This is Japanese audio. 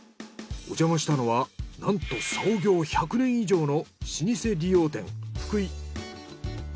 おじゃましたのはなんと創業１００年以上の老舗理容店フクイ。